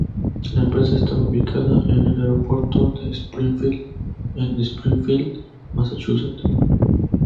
La empresa estaba ubicada en el Aeropuerto de Springfield en Springfield, Massachusetts.